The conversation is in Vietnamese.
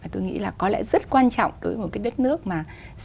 tôi nghĩ là có lẽ rất quan trọng đối với một cái đất nước mà